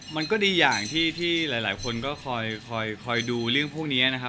มันก็ดีอย่างที่หลายคนก็คอยดูเรื่องพวกนี้นะครับ